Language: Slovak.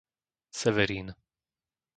Severín